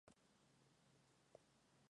Tronco erecto, muy ramificado.